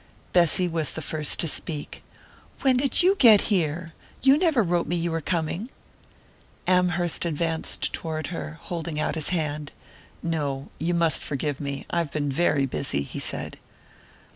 Bessy was the first to speak. "When did you get here? You never wrote me you were coming!" Amherst advanced toward her, holding out his hand. "No; you must forgive me. I have been very busy," he said.